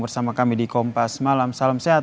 bersama kami di kompas malam salam sehat